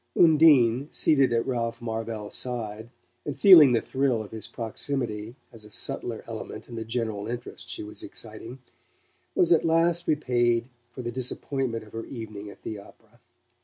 Undine, seated at Ralph Marvell's side, and feeling the thrill of his proximity as a subtler element in the general interest she was exciting, was at last repaid for the disappointment of her evening at the opera.